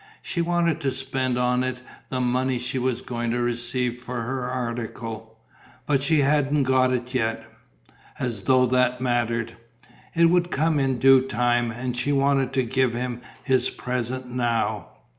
She wanted to spend on it the money she was going to receive for her article. But she hadn't got it yet ... as though that mattered! It would come in due time. And she wanted to give him his present now.